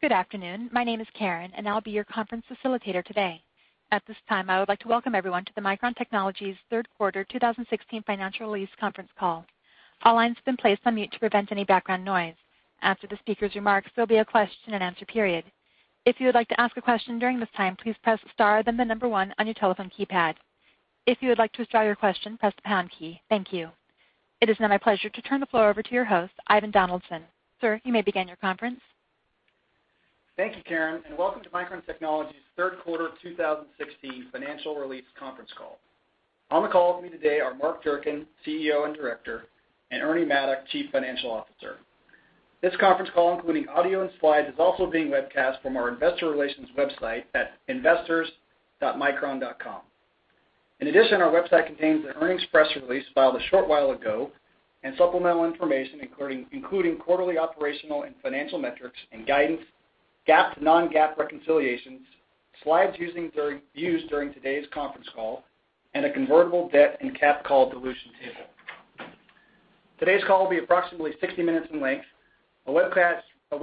Good afternoon. My name is Karen, and I'll be your conference facilitator today. At this time, I would like to welcome everyone to Micron Technology's third quarter 2016 financial release conference call. All lines have been placed on mute to prevent any background noise. After the speaker's remarks, there'll be a question and answer period. If you would like to ask a question during this time, please press star, then the number one on your telephone keypad. If you would like to withdraw your question, press the pound key. Thank you. It is now my pleasure to turn the floor over to your host, Ivan Donaldson. Sir, you may begin your conference. Thank you, Karen. Welcome to Micron Technology's third quarter 2016 financial release conference call. On the call with me today are Mark Durcan, CEO and Director, and Ernie Maddock, Chief Financial Officer. This conference call, including audio and slides, is also being webcast from our investor relations website at investors.micron.com. Our website contains the earnings press release filed a short while ago and supplemental information including quarterly operational and financial metrics and guidance, GAAP to non-GAAP reconciliations, slides used during today's conference call, and a convertible debt and cap call dilution table. Today's call will be approximately 60 minutes in length. A webcast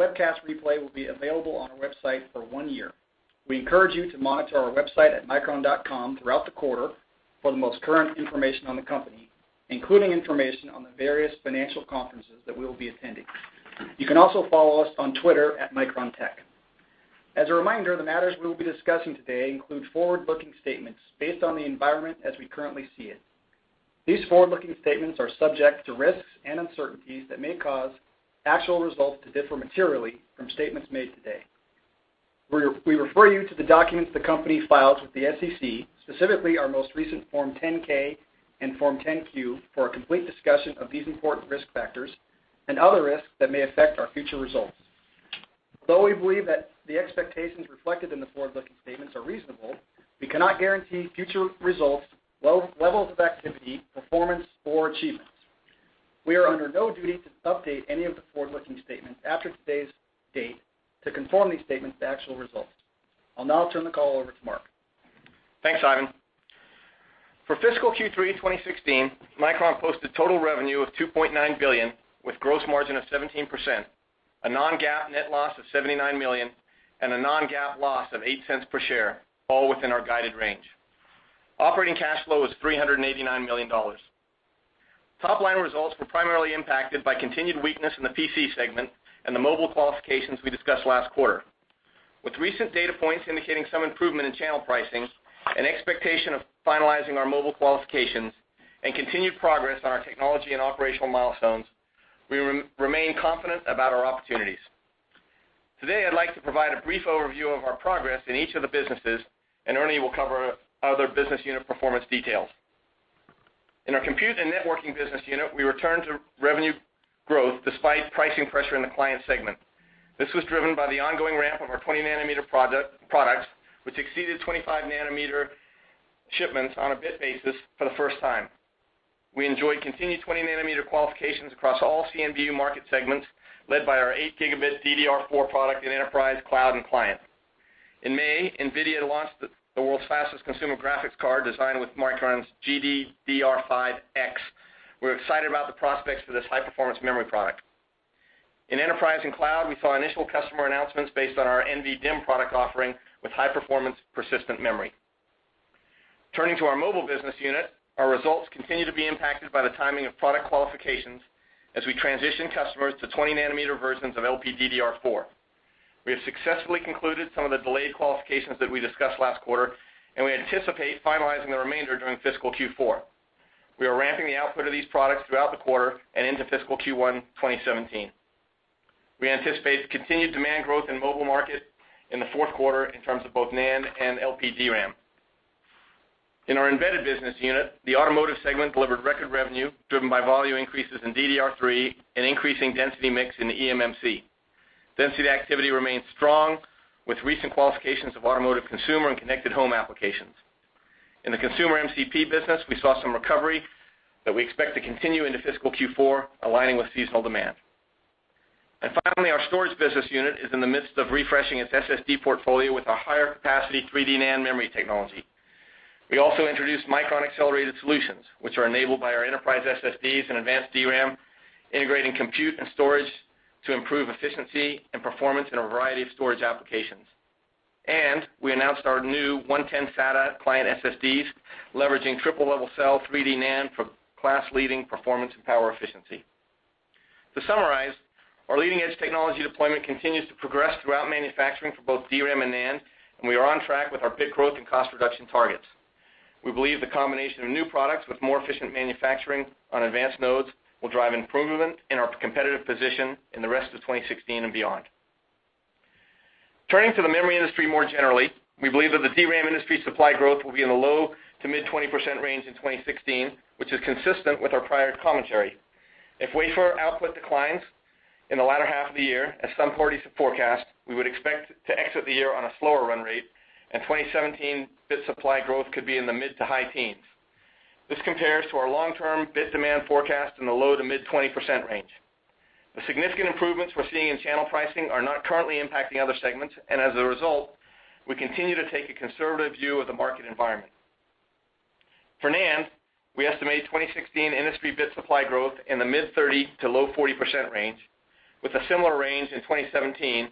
replay will be available on our website for one year. We encourage you to monitor our website at micron.com throughout the quarter for the most current information on the company, including information on the various financial conferences that we will be attending. You can also follow us on Twitter at MicronTech. As a reminder, the matters we will be discussing today include forward-looking statements based on the environment as we currently see it. These forward-looking statements are subject to risks and uncertainties that may cause actual results to differ materially from statements made today. We refer you to the documents the company files with the SEC, specifically our most recent Form 10-K and Form 10-Q, for a complete discussion of these important risk factors and other risks that may affect our future results. Although we believe that the expectations reflected in the forward-looking statements are reasonable, we cannot guarantee future results, levels of activity, performance, or achievements. We are under no duty to update any of the forward-looking statements after today's date to conform these statements to actual results. I'll now turn the call over to Mark. Thanks, Ivan. For fiscal Q3 2016, Micron posted total revenue of $2.9 billion with gross margin of 17%, a non-GAAP net loss of $79 million, and a non-GAAP loss of $0.08 per share, all within our guided range. Operating cash flow was $389 million. Top-line results were primarily impacted by continued weakness in the PC segment and the mobile qualifications we discussed last quarter. With recent data points indicating some improvement in channel pricing and expectation of finalizing our mobile qualifications and continued progress on our technology and operational milestones, we remain confident about our opportunities. Today, I'd like to provide a brief overview of our progress in each of the businesses. Ernie will cover other business unit performance details. In our compute and networking business unit, we returned to revenue growth despite pricing pressure in the client segment. This was driven by the ongoing ramp of our 20 nanometer products, which exceeded 25 nanometer shipments on a bit basis for the first time. We enjoyed continued 20 nanometer qualifications across all CNB market segments led by our eight gigabit DDR4 product in enterprise, cloud, and client. In May, Nvidia launched the world's fastest consumer graphics card designed with Micron's GDDR5X. We're excited about the prospects for this high-performance memory product. In enterprise and cloud, we saw initial customer announcements based on our NVDIMM product offering with high-performance persistent memory. Turning to our mobile business unit, our results continue to be impacted by the timing of product qualifications as we transition customers to 20 nanometer versions of LPDDR4. We have successfully concluded some of the delayed qualifications that we discussed last quarter, and we anticipate finalizing the remainder during fiscal Q4. We are ramping the output of these products throughout the quarter and into fiscal Q1 2017. We anticipate continued demand growth in mobile market in the fourth quarter in terms of both NAND and LPDRAM. In our embedded business unit, the automotive segment delivered record revenue driven by volume increases in DDR3 and increasing density mix in the eMMC. Density activity remains strong with recent qualifications of automotive consumer and connected home applications. In the consumer MCP business, we saw some recovery that we expect to continue into fiscal Q4, aligning with seasonal demand. Finally, our storage business unit is in the midst of refreshing its SSD portfolio with a higher capacity 3D NAND memory technology. We also introduced Micron Accelerated Solutions, which are enabled by our enterprise SSDs and advanced DRAM, integrating compute and storage to improve efficiency and performance in a variety of storage applications. We announced our new 1100 SATA client SSDs, leveraging triple-level cell 3D NAND for class-leading performance and power efficiency. To summarize, our leading-edge technology deployment continues to progress throughout manufacturing for both DRAM and NAND, and we are on track with our bit growth and cost reduction targets. We believe the combination of new products with more efficient manufacturing on advanced nodes will drive improvement in our competitive position in the rest of 2016 and beyond. Turning to the memory industry more generally, we believe that the DRAM industry supply growth will be in the low to mid 20% range in 2016, which is consistent with our prior commentary. If wafer output declines in the latter half of the year, as some parties forecast, we would expect to exit the year on a slower run rate, and 2017 bit supply growth could be in the mid to high teens. This compares to our long-term bit demand forecast in the low to mid 20% range. The significant improvements we're seeing in channel pricing are not currently impacting other segments, and as a result, we continue to take a conservative view of the market environment. For NAND, we estimate 2016 industry bit supply growth in the mid 30 to low 40% range, with a similar range in 2017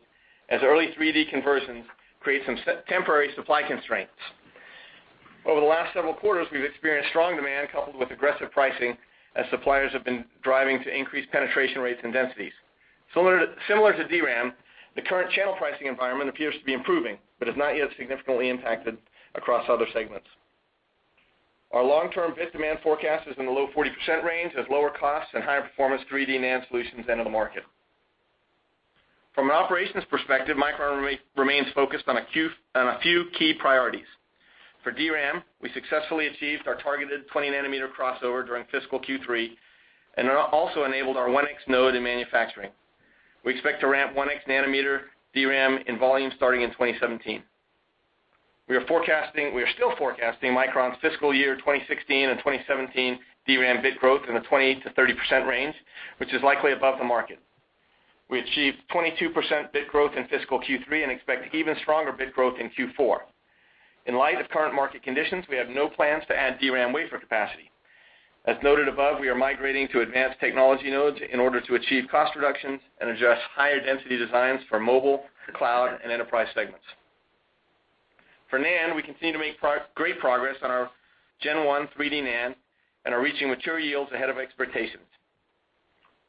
as early 3D conversions create some temporary supply constraints. Over the last several quarters, we've experienced strong demand coupled with aggressive pricing as suppliers have been driving to increase penetration rates and densities. Similar to DRAM, the current channel pricing environment appears to be improving, but has not yet significantly impacted across other segments. Our long-term bit demand forecast is in the low 40% range as lower costs and higher performance 3D NAND solutions enter the market. From an operations perspective, Micron remains focused on a few key priorities. For DRAM, we successfully achieved our targeted 20 nanometer crossover during fiscal Q3, and also enabled our 1X node in manufacturing. We expect to ramp 1X nanometer DRAM in volume starting in 2017. We are still forecasting Micron's fiscal year 2016 and 2017 DRAM bit growth in the 20%-30% range, which is likely above the market. We achieved 22% bit growth in fiscal Q3 and expect even stronger bit growth in Q4. In light of current market conditions, we have no plans to add DRAM wafer capacity. As noted above, we are migrating to advanced technology nodes in order to achieve cost reductions and adjust higher density designs for mobile, cloud, and enterprise segments. For NAND, we continue to make great progress on our gen 1 3D NAND and are reaching mature yields ahead of expectations.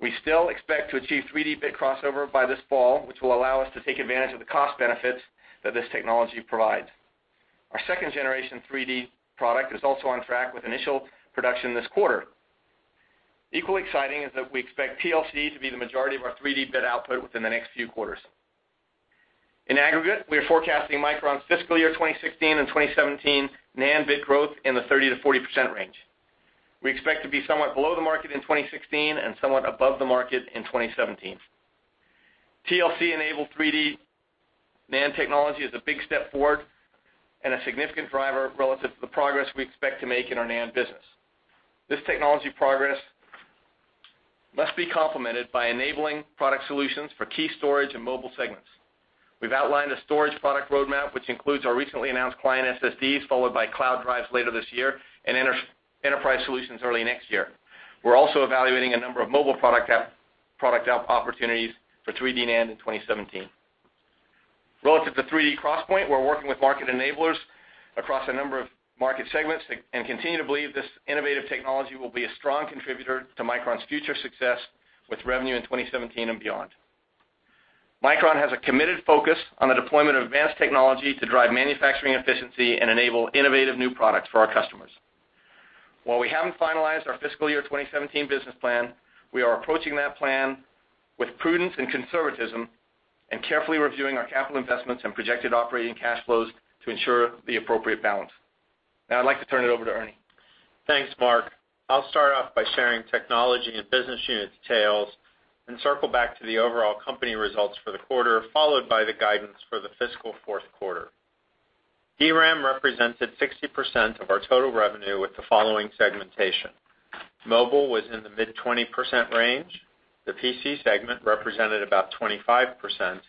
We still expect to achieve 3D bit crossover by this fall, which will allow us to take advantage of the cost benefits that this technology provides. Our 2nd generation 3D product is also on track with initial production this quarter. Equally exciting is that we expect TLC to be the majority of our 3D bit output within the next few quarters. In aggregate, we are forecasting Micron's fiscal year 2016 and 2017 NAND bit growth in the 30%-40% range. We expect to be somewhat below the market in 2016 and somewhat above the market in 2017. TLC-enabled 3D NAND technology is a big step forward and a significant driver relative to the progress we expect to make in our NAND business. This technology progress must be complemented by enabling product solutions for key storage and mobile segments. We've outlined a storage product roadmap, which includes our recently announced client SSDs, followed by cloud drives later this year, and enterprise solutions early next year. We're also evaluating a number of mobile product opportunities for 3D NAND in 2017. Relative to 3D XPoint, we're working with market enablers across a number of market segments and continue to believe this innovative technology will be a strong contributor to Micron's future success with revenue in 2017 and beyond. Micron has a committed focus on the deployment of advanced technology to drive manufacturing efficiency and enable innovative new products for our customers. While we haven't finalized our fiscal year 2017 business plan, we are approaching that plan with prudence and conservatism and carefully reviewing our capital investments and projected operating cash flows to ensure the appropriate balance. Now I'd like to turn it over to Ernie. Thanks, Mark. I'll start off by sharing technology and business unit details and circle back to the overall company results for the quarter, followed by the guidance for the fiscal fourth quarter. DRAM represented 60% of our total revenue with the following segmentation. Mobile was in the mid-20% range. The PC segment represented about 25%.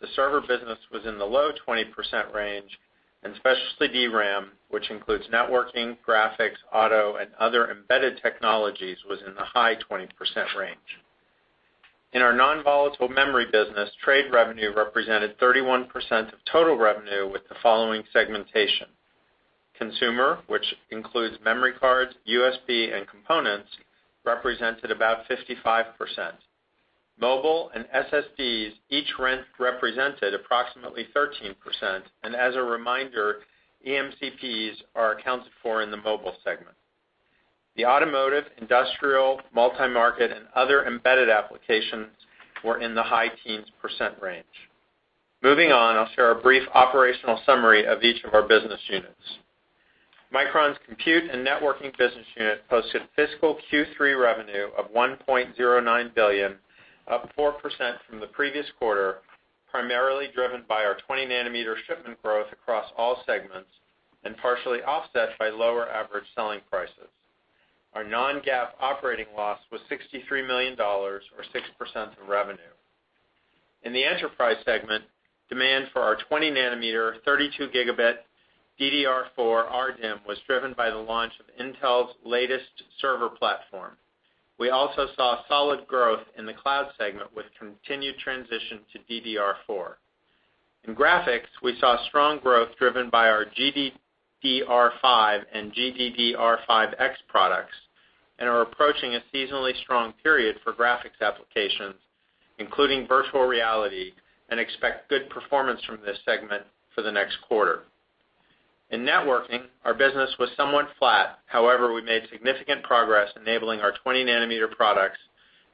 The server business was in the low-20% range, and specialty DRAM, which includes networking, graphics, auto, and other embedded technologies, was in the high-20% range. In our non-volatile memory business, trade revenue represented 31% of total revenue with the following segmentation. Consumer, which includes memory cards, USB, and components, represented about 55%. Mobile and SSDs each represented approximately 13%. As a reminder, eMCPs are accounted for in the mobile segment. The automotive, industrial, multi-market, and other embedded applications were in the high-teens percent range. Moving on, I'll share a brief operational summary of each of our business units. Micron's Compute and Networking Business Unit posted fiscal Q3 revenue of $1.09 billion, up 4% from the previous quarter, primarily driven by our 20 nanometer shipment growth across all segments and partially offset by lower average selling prices. Our non-GAAP operating loss was $63 million, or 6% of revenue. In the Enterprise Segment, demand for our 20 nanometer 32 gigabit DDR4 RDIMM was driven by the launch of Intel's latest server platform. We also saw solid growth in the Cloud Segment with continued transition to DDR4. In Graphics, we saw strong growth driven by our GDDR5 and GDDR5X products and are approaching a seasonally strong period for graphics applications, including virtual reality, and expect good performance from this segment for the next quarter. In Networking, our business was somewhat flat. We made significant progress enabling our 20 nanometer products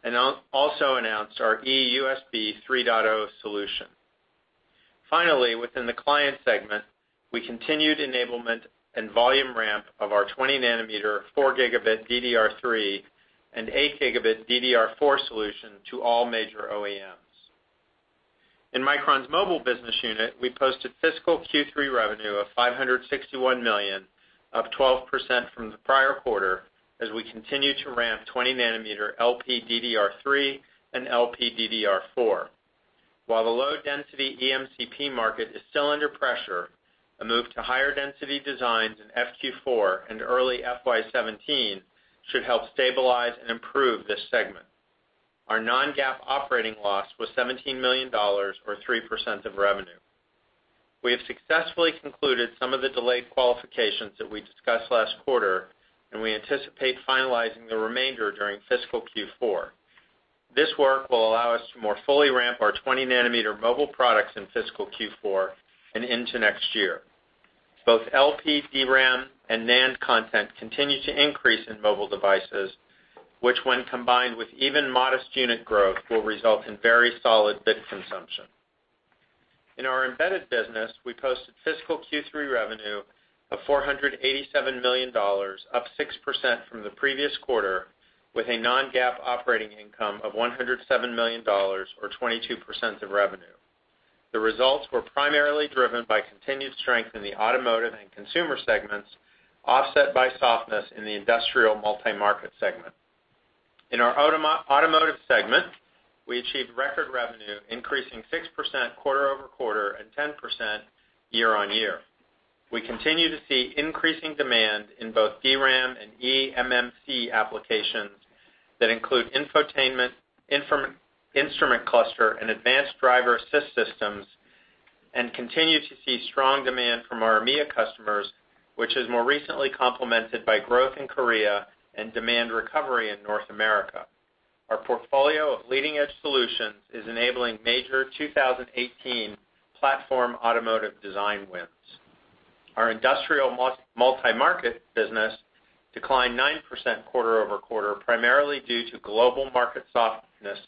and also announced our eUSB 3.0 solution. Finally, within the Client Segment, we continued enablement and volume ramp of our 20 nanometer 4 gigabit DDR3 and 8 gigabit DDR4 solution to all major OEMs. In Micron's Mobile Business Unit, we posted fiscal Q3 revenue of $561 million, up 12% from the prior quarter, as we continue to ramp 20 nanometer LPDDR3 and LPDDR4. While the low-density eMCP market is still under pressure, a move to higher density designs in FQ4 and early FY 2017 should help stabilize and improve this segment. Our non-GAAP operating loss was $17 million, or 3% of revenue. We have successfully concluded some of the delayed qualifications that we discussed last quarter, and we anticipate finalizing the remainder during fiscal Q4. This work will allow us to more fully ramp our 20 nanometer mobile products in fiscal Q4 and into next year. Both LPDRAM and NAND content continue to increase in mobile devices, which when combined with even modest unit growth, will result in very solid bit consumption. In our Embedded Business, we posted fiscal Q3 revenue of $487 million, up 6% from the previous quarter, with a non-GAAP operating income of $107 million, or 22% of revenue. The results were primarily driven by continued strength in the Automotive and Consumer Segments, offset by softness in the Industrial Multi-Market Segment. In our Automotive Segment, we achieved record revenue, increasing 6% quarter-over-quarter and 10% year-on-year. We continue to see increasing demand in both DRAM and eMMC applications that include infotainment, instrument cluster, and advanced driver assist systems, and continue to see strong demand from our EMEA customers, which is more recently complemented by growth in Korea and demand recovery in North America. Our portfolio of leading-edge solutions is enabling major 2018 platform automotive design wins. Our Industrial Multi-Market Business declined 9% quarter-over-quarter, primarily due to global market softness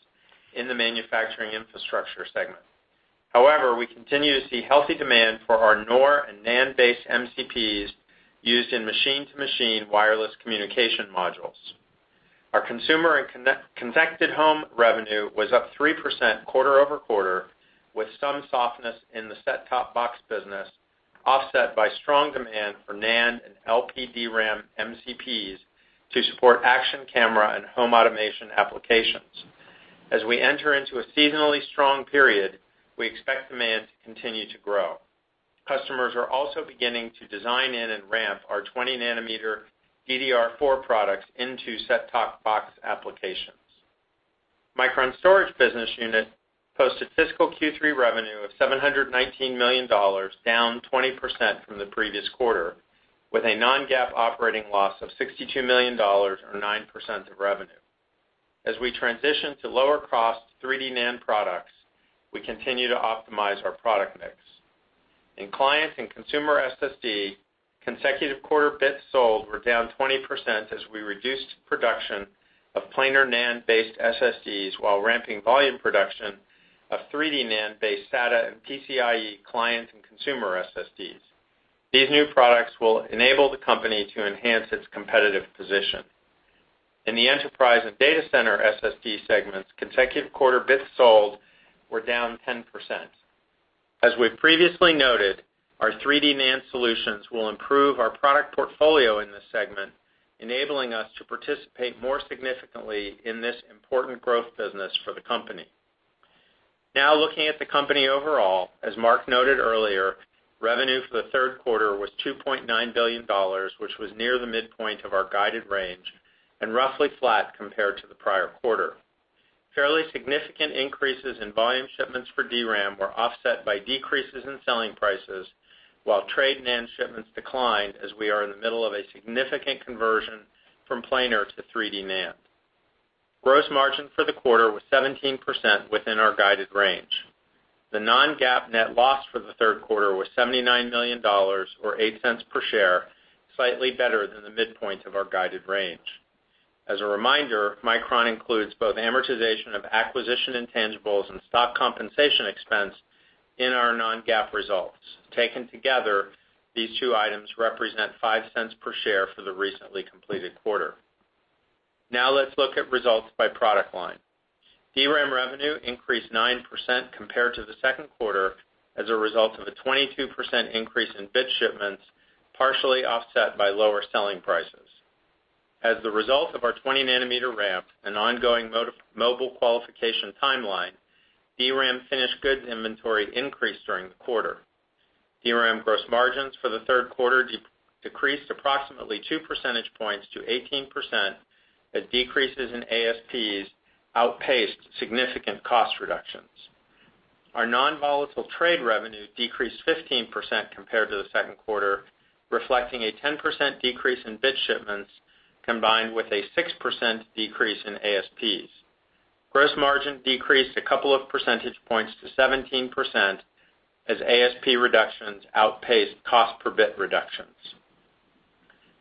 in the Manufacturing Infrastructure Segment. We continue to see healthy demand for our NOR and NAND-based MCPs used in machine-to-machine wireless communication modules. Our Consumer and Connected Home revenue was up 3% quarter-over-quarter, with some softness in the set-top box business, offset by strong demand for NAND and LPDRAM MCPs to support action camera and home automation applications. As we enter into a seasonally strong period, we expect demand to continue to grow. Customers are also beginning to design in and ramp our 20 nanometer DDR4 products into set-top box applications. Micron's storage business unit posted fiscal Q3 revenue of $719 million, down 20% from the previous quarter, with a non-GAAP operating loss of $62 million, or 9% of revenue. As we transition to lower-cost 3D NAND products, we continue to optimize our product mix. In client and consumer SSD, consecutive quarter bits sold were down 20% as we reduced production of planar NAND-based SSDs while ramping volume production of 3D NAND-based SATA and PCIe client and consumer SSDs. These new products will enable the company to enhance its competitive position. In the enterprise and data center SSD segments, consecutive quarter bits sold were down 10%. As we've previously noted, our 3D NAND solutions will improve our product portfolio in this segment, enabling us to participate more significantly in this important growth business for the company. Looking at the company overall, as Mark noted earlier, revenue for the third quarter was $2.9 billion, which was near the midpoint of our guided range and roughly flat compared to the prior quarter. Fairly significant increases in volume shipments for DRAM were offset by decreases in selling prices, while trade NAND shipments declined as we are in the middle of a significant conversion from planar to 3D NAND. Gross margin for the quarter was 17%, within our guided range. The non-GAAP net loss for the third quarter was $79 million, or $0.08 per share, slightly better than the midpoint of our guided range. As a reminder, Micron includes both amortization of acquisition intangibles and stock compensation expense in our non-GAAP results. Taken together, these two items represent $0.05 per share for the recently completed quarter. Let's look at results by product line. DRAM revenue increased 9% compared to the second quarter as a result of a 22% increase in bit shipments, partially offset by lower selling prices. As the result of our 20 nanometer ramp and ongoing mobile qualification timeline, DRAM finished goods inventory increased during the quarter. DRAM gross margins for the third quarter decreased approximately two percentage points to 18% as decreases in ASPs outpaced significant cost reductions. Our non-volatile trade revenue decreased 15% compared to the second quarter, reflecting a 10% decrease in bit shipments combined with a 6% decrease in ASPs. Gross margin decreased a couple of percentage points to 17% as ASP reductions outpaced cost per bit reductions.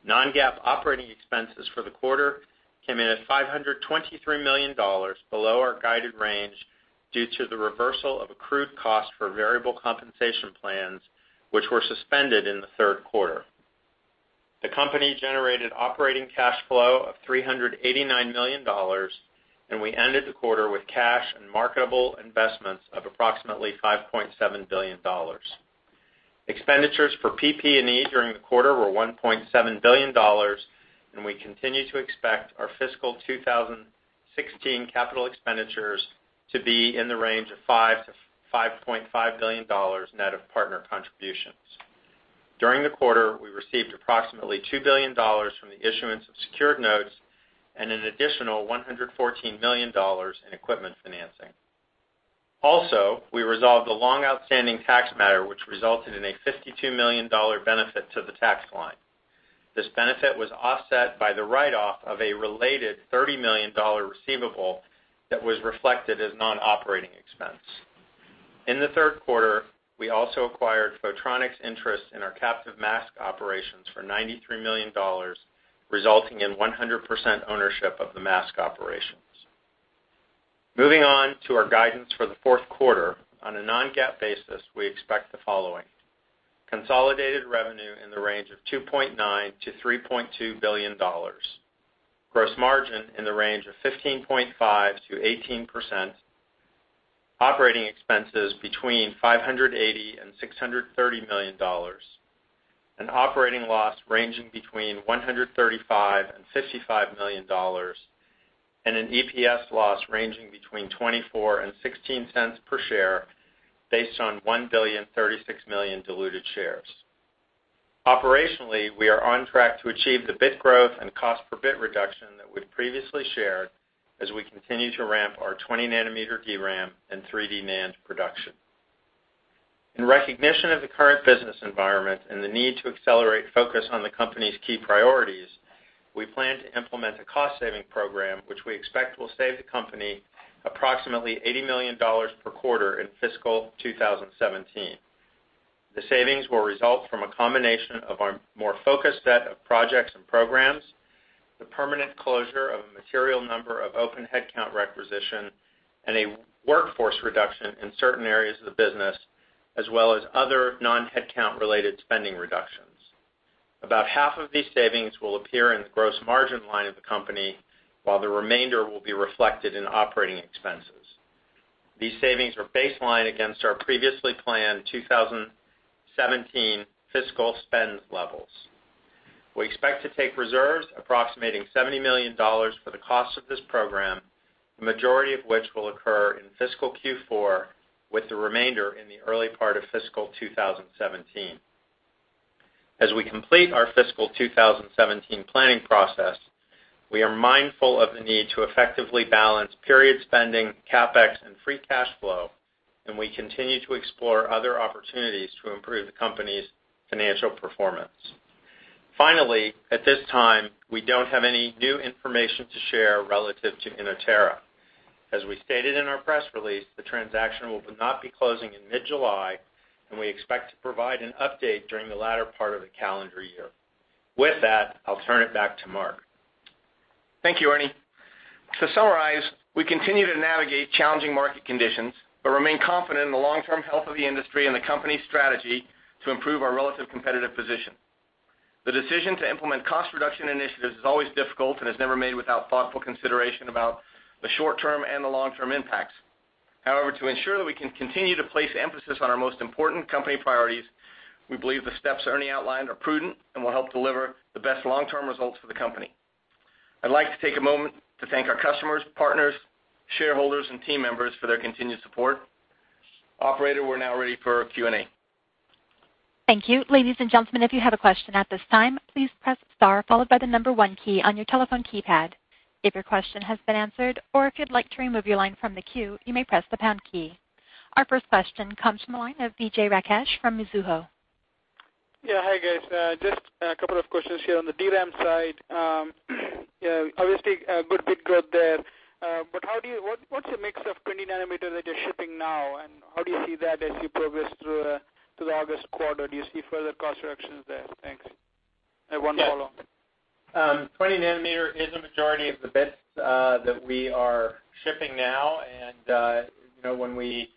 Non-GAAP operating expenses for the quarter came in at $523 million, below our guided range due to the reversal of accrued cost for variable compensation plans, which were suspended in the third quarter. The company generated operating cash flow of $389 million, and we ended the quarter with cash and marketable investments of approximately $5.7 billion. Expenditures for PP&E during the quarter were $1.7 billion, and we continue to expect our fiscal 2016 capital expenditures to be in the range of $5 billion-$5.5 billion net of partner contributions. During the quarter, we received approximately $2 billion from the issuance of secured notes and an additional $114 million in equipment financing. We resolved a long-outstanding tax matter, which resulted in a $52 million benefit to the tax line. This benefit was offset by the write-off of a related $30 million receivable that was reflected as non-operating expense. In the third quarter, we also acquired Photronics' interest in our captive mask operations for $93 million, resulting in 100% ownership of the mask operations. Moving on to our guidance for the fourth quarter. On a non-GAAP basis, we expect the following: consolidated revenue in the range of $2.9 billion-$3.2 billion, gross margin in the range of 15.5%-18%, operating expenses between $580 and $630 million, an operating loss ranging between $135 and $55 million, and an EPS loss ranging between $0.24 and $0.16 per share based on 1,036,000,000 diluted shares. Operationally, we are on track to achieve the bit growth and cost per bit reduction that we've previously shared as we continue to ramp our 20 nanometer DRAM and 3D NAND production. In recognition of the current business environment and the need to accelerate focus on the company's key priorities, we plan to implement a cost-saving program, which we expect will save the company approximately $80 million per quarter in fiscal 2017. The savings will result from a combination of a more focused set of projects and programs, the permanent closure of a material number of open headcount requisition, and a workforce reduction in certain areas of the business, as well as other non-headcount-related spending reductions. About half of these savings will appear in the gross margin line of the company, while the remainder will be reflected in operating expenses. These savings are baseline against our previously planned 2017 fiscal spend levels. We expect to take reserves approximating $70 million for the cost of this program, the majority of which will occur in fiscal Q4, with the remainder in the early part of fiscal 2017. As we complete our fiscal 2017 planning process, we are mindful of the need to effectively balance period spending, CapEx, and free cash flow, and we continue to explore other opportunities to improve the company's financial performance. Finally, at this time, we don't have any new information to share relative to Inotera. As we stated in our press release, the transaction will not be closing in mid-July, and we expect to provide an update during the latter part of the calendar year. With that, I'll turn it back to Mark. Thank you, Ernie. To summarize, we continue to navigate challenging market conditions but remain confident in the long-term health of the industry and the company's strategy to improve our relative competitive position. The decision to implement cost-reduction initiatives is always difficult and is never made without thoughtful consideration about the short-term and the long-term impacts. However, to ensure that we can continue to place emphasis on our most important company priorities, we believe the steps Ernie outlined are prudent and will help deliver the best long-term results for the company. I'd like to take a moment to thank our customers, partners, shareholders, and team members for their continued support. Operator, we're now ready for Q&A. Thank you. Ladies and gentlemen, if you have a question at this time, please press star followed by the number 1 key on your telephone keypad. If your question has been answered or if you'd like to remove your line from the queue, you may press the pound key. Our first question comes from the line of Vijay Rakesh from Mizuho. Yeah. Hi, guys. Just a couple of questions here. On the DRAM side, obviously, good bit growth there. What's the mix of 20 nanometer that you're shipping now, and how do you see that as you progress through the August quarter? Do you see further cost reductions there? Thanks. I have one follow-up. 20 nanometer is a majority of the bits that we are shipping now. When we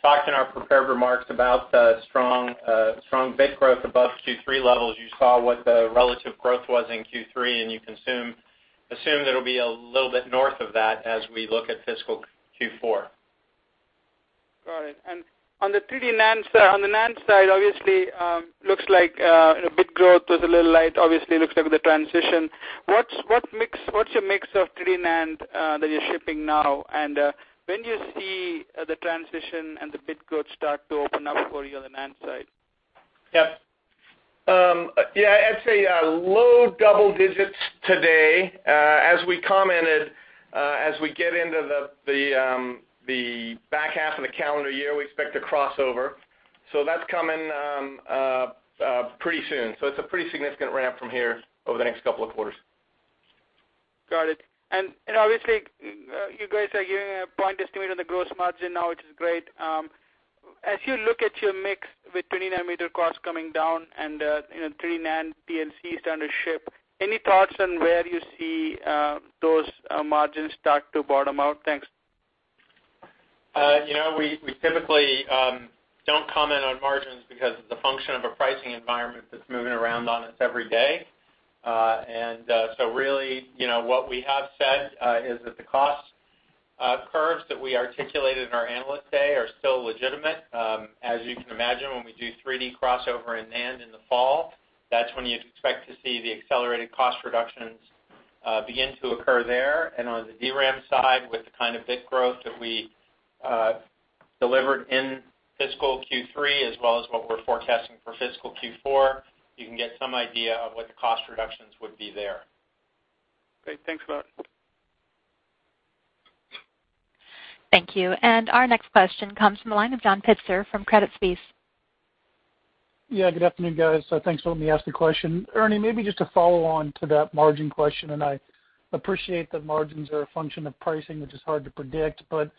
talked in our prepared remarks about strong bit growth above Q3 levels, you saw what the relative growth was in Q3, and you assume there'll be a little bit north of that as we look at fiscal Q4. Got it. On the 3D NAND side, obviously, looks like bit growth was a little light. Obviously, looks like with the transition. What's your mix of 3D NAND that you're shipping now, and when do you see the transition and the bit growth start to open up for you on the NAND side? Yeah. I'd say low double digits today. As we commented, as we get into the back half of the calendar year, we expect a crossover. That's coming up pretty soon. It's a pretty significant ramp from here over the next couple of quarters. Got it. Obviously, you guys are giving a point estimate on the gross margin now, which is great. As you look at your mix with 20 nanometer costs coming down and 3D NAND TLC starting to ship, any thoughts on where you see those margins start to bottom out? Thanks. We typically don't comment on margins because of the function of a pricing environment that's moving around on us every day. Really, what we have said is that the cost Curves that we articulated in our Analyst Day are still legitimate. As you can imagine, when we do 3D crossover in NAND in the fall, that's when you'd expect to see the accelerated cost reductions begin to occur there. On the DRAM side, with the kind of bit growth that we delivered in fiscal Q3, as well as what we're forecasting for fiscal Q4, you can get some idea of what the cost reductions would be there. Great. Thanks a lot. Thank you. Our next question comes from the line of John Pitzer from Credit Suisse. Yeah, good afternoon, guys. Thanks for letting me ask the question. Ernie, maybe just to follow on to that margin question. I appreciate that margins are a function of pricing, which is hard to predict, but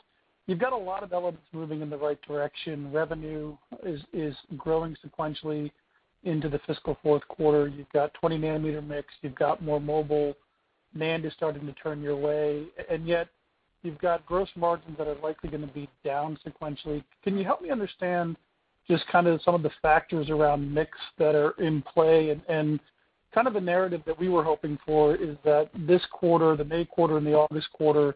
you've got a lot of elements moving in the right direction. Revenue is growing sequentially into the fiscal fourth quarter. You've got 20 nanometer mix. You've got more mobile. NAND is starting to turn your way. Yet you've got gross margins that are likely going to be down sequentially. Can you help me understand just kind of some of the factors around mix that are in play? Kind of the narrative that we were hoping for is that this quarter, the May quarter, and the August quarter,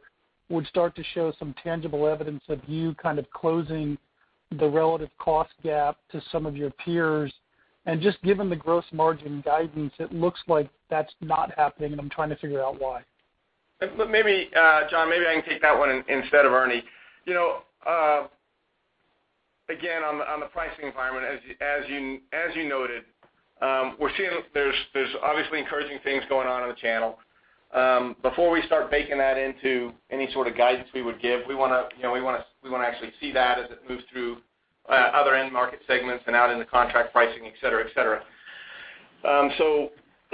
would start to show some tangible evidence of you kind of closing the relative cost gap to some of your peers. Just given the gross margin guidance, it looks like that's not happening, and I'm trying to figure out why. John, maybe I can take that one instead of Ernie. On the pricing environment, as you noted, we're seeing there's obviously encouraging things going on in the channel. Before we start baking that into any sort of guidance we would give, we want to actually see that as it moves through other end market segments and out in the contract pricing, et cetera.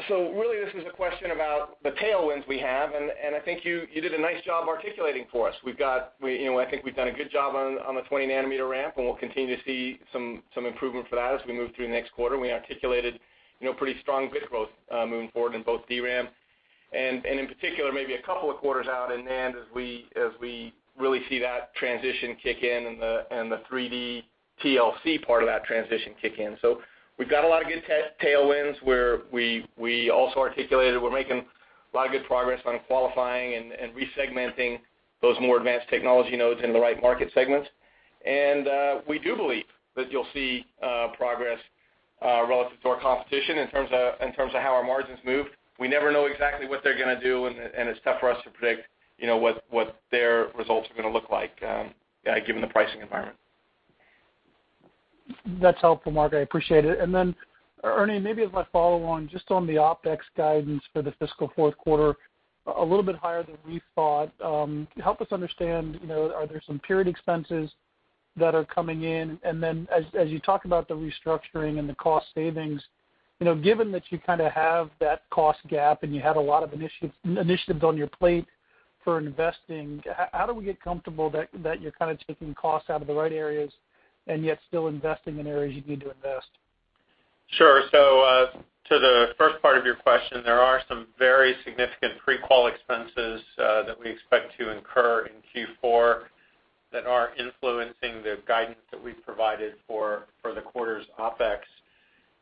Really this is a question about the tailwinds we have, and I think you did a nice job articulating for us. I think we've done a good job on the 20 nanometer ramp, and we'll continue to see some improvement for that as we move through the next quarter. We articulated pretty strong bit growth moving forward in both DRAM and in particular, maybe a couple of quarters out in NAND as we really see that transition kick in and the 3D TLC part of that transition kick in. We've got a lot of good tailwinds where we also articulated we're making a lot of good progress on qualifying and re-segmenting those more advanced technology nodes in the right market segments. We do believe that you'll see progress relative to our competition in terms of how our margins move. We never know exactly what they're going to do, and it's tough for us to predict what their results are going to look like given the pricing environment. That's helpful, Mark. I appreciate it. Ernie, maybe as my follow on, just on the OpEx guidance for the fiscal fourth quarter, a little bit higher than we thought. Help us understand, are there some period expenses that are coming in? As you talk about the restructuring and the cost savings, given that you kind of have that cost gap and you have a lot of initiatives on your plate for investing, how do we get comfortable that you're kind of taking costs out of the right areas and yet still investing in areas you need to invest? Sure. To the first part of your question, there are some very significant pre-qual expenses that we expect to incur in Q4 that are influencing the guidance that we've provided for the quarter's OpEx.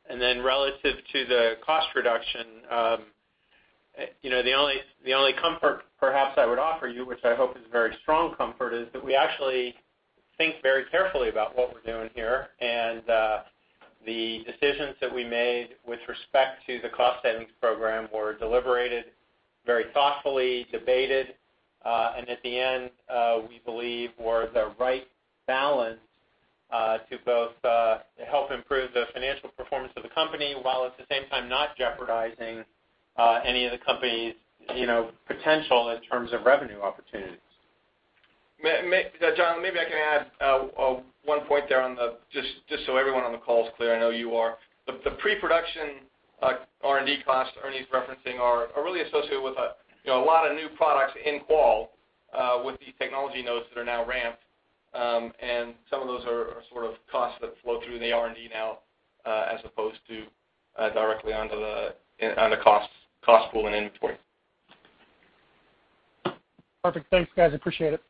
Relative to the cost reduction, the only comfort perhaps I would offer you, which I hope is a very strong comfort, is that we actually think very carefully about what we're doing here. The decisions that we made with respect to the cost savings program were deliberated very thoughtfully, debated, and at the end, we believe were the right balance to both help improve the financial performance of the company, while at the same time, not jeopardizing any of the company's potential in terms of revenue opportunities. John, maybe I can add one point there just so everyone on the call is clear. I know you are. The pre-production R&D costs Ernie's referencing are really associated with a lot of new products in qual with these technology nodes that are now ramped. Some of those are sort of costs that flow through the R&D now, as opposed to directly on the cost pool and inventory. Perfect. Thanks, guys, appreciate it.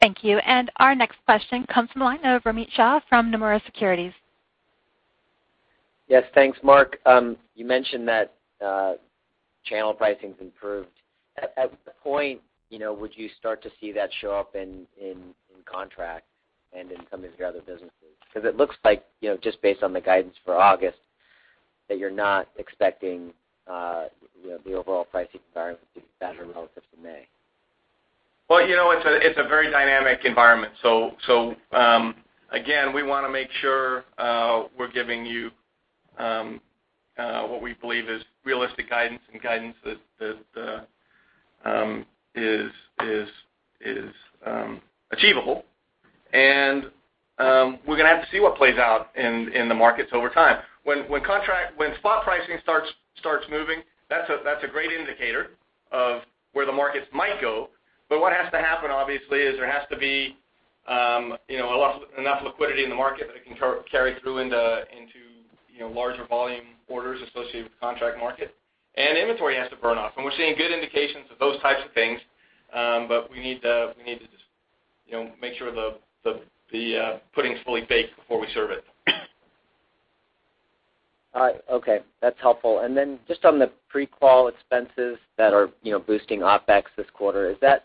Thank you. Our next question comes from the line of Romit Shah from Nomura Securities. Yes, thanks. Mark, you mentioned that channel pricing's improved. At what point would you start to see that show up in contract and in some of your other businesses? Because it looks like, just based on the guidance for August, that you're not expecting the overall pricing environment to be better relative to May. It's a very dynamic environment. Again, we want to make sure we're giving you what we believe is realistic guidance and guidance that is achievable, and we're going to have to see what plays out in the markets over time. When spot pricing starts moving, that's a great indicator of where the markets might go. What has to happen, obviously, is there has to be enough liquidity in the market that it can carry through into larger volume orders associated with the contract market. Inventory has to burn off. We're seeing good indications of those types of things, but we need to just make sure the pudding's fully baked before we serve it. Okay. That's helpful. Just on the pre-qual expenses that are boosting OpEx this quarter, is that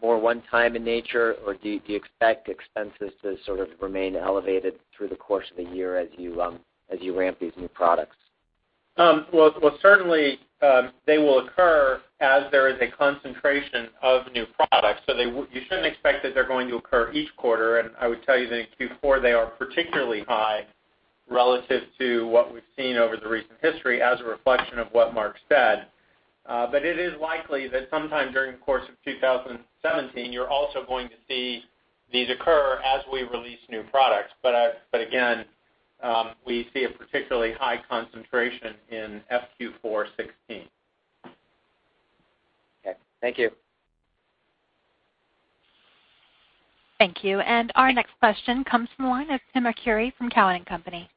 more one time in nature, or do you expect expenses to sort of remain elevated through the course of the year as you ramp these new products? Well, certainly, they will occur as there is a concentration of new products. You shouldn't expect that they're going to occur each quarter. I would tell you that in Q4, they are particularly high relative to what we've seen over the recent history as a reflection of what Mark said. It is likely that sometime during the course of 2017, you're also going to see these occur as we release new products. Again, we see a particularly high concentration in FQ4 2016. Okay. Thank you. Thank you. Our next question comes from the line of Timothy Arcuri from Cowen and Company.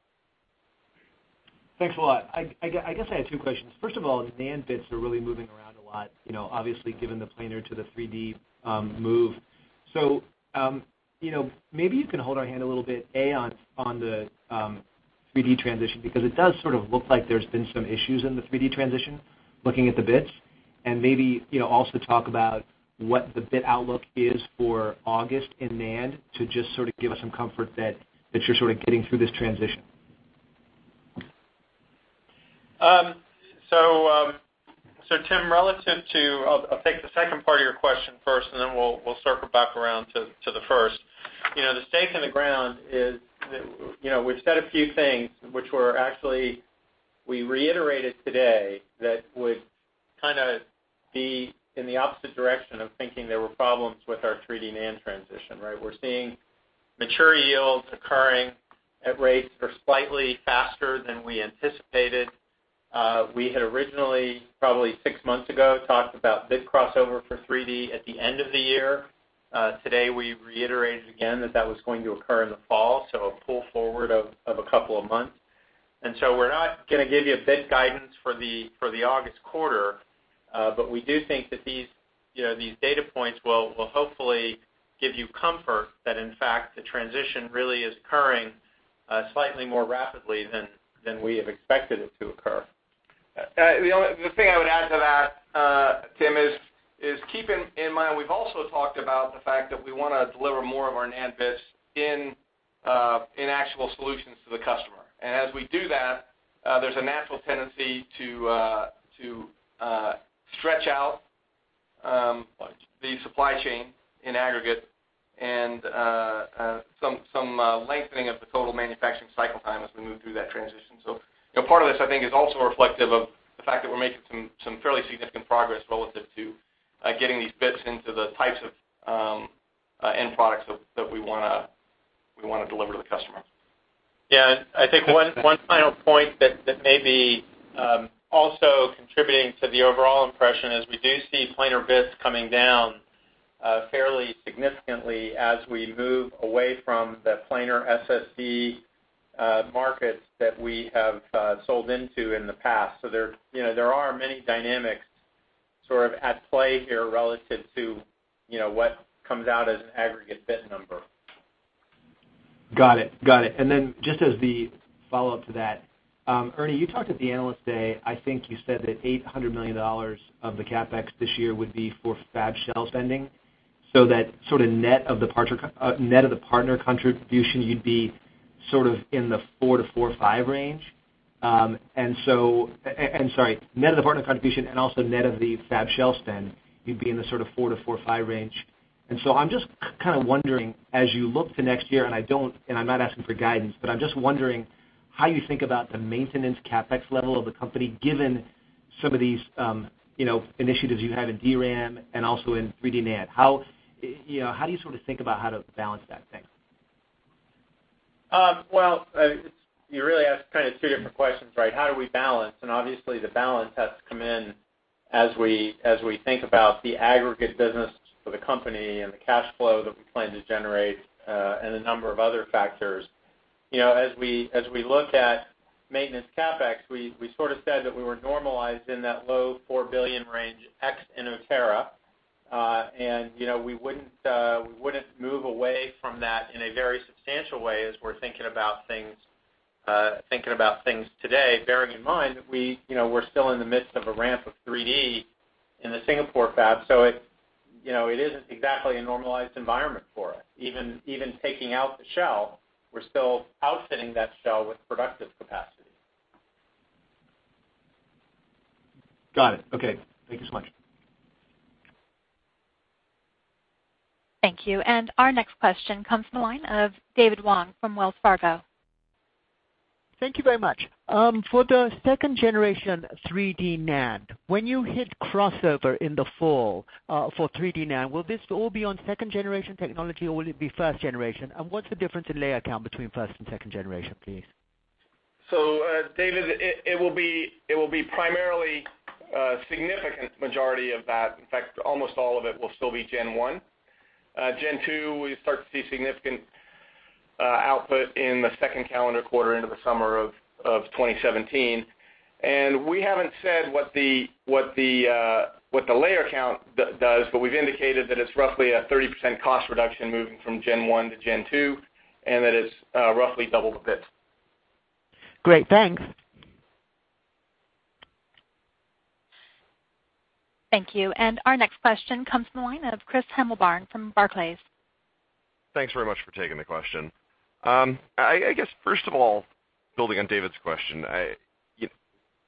Thanks a lot. I guess I had two questions. First of all, demand bits are really moving around a lot, obviously given the planar to the 3D move. Maybe you can hold our hand a little bit, A, on the 3D transition, because it does sort of look like there's been some issues in the 3D transition, looking at the bits. Maybe also talk about what the bit outlook is for August in NAND to just sort of give us some comfort that you're sort of getting through this transition. Tim, I'll take the second part of your question first, then we'll circle back around to the first. The stake in the ground is we've said a few things which were actually, we reiterated today that would kind of be in the opposite direction of thinking there were problems with our 3D NAND transition, right? We're seeing mature yields occurring at rates that are slightly faster than we anticipated. We had originally, probably six months ago, talked about bit crossover for 3D at the end of the year. Today, we reiterated again that that was going to occur in the fall, so a pull forward of a couple of months. We're not going to give you a bit guidance for the August quarter. We do think that these data points will hopefully give you comfort that in fact, the transition really is occurring slightly more rapidly than we have expected it to occur. The only thing I would add to that, Tim, is keep in mind, we've also talked about the fact that we want to deliver more of our NAND bits in actual solutions to the customer. As we do that, there's a natural tendency to stretch out the supply chain in aggregate and some lengthening of the total manufacturing cycle time as we move through that transition. Part of this, I think, is also reflective of the fact that we're making some fairly significant progress relative to getting these bits into the types of end products that we want to deliver to the customer. Yeah. I think one final point that may be also contributing to the overall impression is we do see planar bits coming down fairly significantly as we move away from the planar SSD markets that we have sold into in the past. There are many dynamics sort of at play here relative to what comes out as an aggregate bit number. Got it. Then just as the follow-up to that, Ernie, you talked at the Analyst Day, I think you said that $800 million of the CapEx this year would be for fab shell spending, so that sort of net of the partner contribution, you'd be sort of in the $4 billion-$4.5 billion range. I'm sorry, net of the partner contribution and also net of the fab shell spend, you'd be in the sort of $4 billion-$4.5 billion range. So I'm just kind of wondering, as you look to next year, and I'm not asking for guidance, but I'm just wondering how you think about the maintenance CapEx level of the company, given some of these initiatives you have in DRAM and also in 3D NAND. How do you sort of think about how to balance that thing? Well, you really asked kind of two different questions, right? How do we balance? Obviously the balance has to come in as we think about the aggregate business for the company and the cash flow that we plan to generate, and a number of other factors. As we look at maintenance CapEx, we sort of said that we were normalized in that low $4 billion range ex Inotera. We wouldn't move away from that in a very substantial way as we're thinking about things today, bearing in mind that we're still in the midst of a ramp of 3D in the Singapore fab. It isn't exactly a normalized environment for us. Even taking out the shell, we're still outfitting that shell with productive capacity. Got it. Okay. Thank you so much. Thank you. Our next question comes from the line of David Wang from Wells Fargo. Thank you very much. For the second generation 3D NAND, when you hit crossover in the fall for 3D NAND, will this all be on second generation technology, or will it be first generation? What's the difference in layer count between first and second generation, please? David, it will be primarily a significant majority of that, in fact, almost all of it will still be gen one. Gen two, we start to see significant output in the second calendar quarter into the summer of 2017. We haven't said what the layer count does, but we've indicated that it's roughly a 30% cost reduction moving from gen one to gen two, and that it's roughly double the bits. Great. Thanks. Thank you. Our next question comes from the line of Christopher Danely from Barclays. Thanks very much for taking the question. I guess, first of all, building on David's question,